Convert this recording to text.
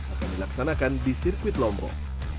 akan dilaksanakan di sirkuit lombok